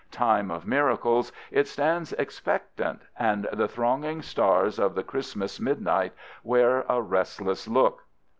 Time of miracles, it stands expectant, and the thronging stars of the Christmas midnight wear a restless look.